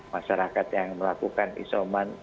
masyarakat yang melakukan isoman